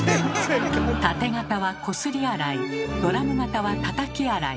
タテ型は「こすり洗い」ドラム型は「たたき洗い」。